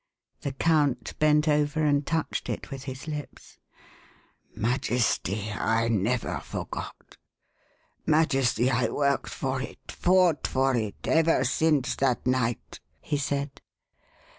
The count bent over and touched it with his lips. "Majesty, I never forgot! Majesty, I worked for it, fought for it ever since that night!" he said.